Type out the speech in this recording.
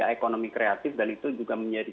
ekonomi kreatif dan itu juga menjadi